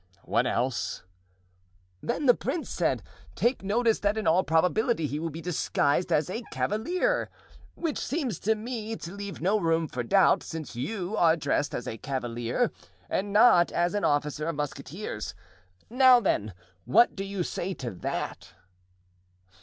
"What else?" "Then the prince said: 'Take notice that in all probability he will be disguised as a cavalier;' which seems to me to leave no room for doubt, since you are dressed as a cavalier and not as an officer of musketeers. Now then, what do you say to that?"